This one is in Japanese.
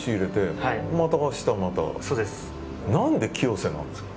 何で清瀬なんですか？